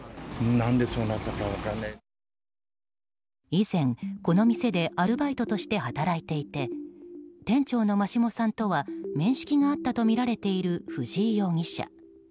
以前、この店でアルバイトとして働いていて店長の真下さんとは面識があったとみられている藤井容疑者。